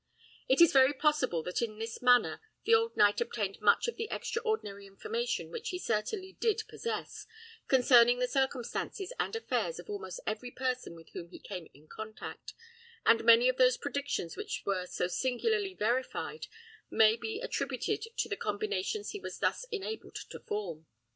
It is very possible that in this manner the old knight obtained much of the extraordinary information which he certainly did possess, concerning the circumstances and affairs of almost every person with whom he came in contact; and many of those predictions which were so singularly verified may be attributed to the combinations he was thus enabled to form.